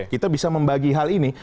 kita bisa membagi hal ini